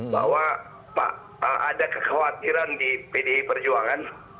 bahwa pak ada kekhawatiran di pdi perjuangan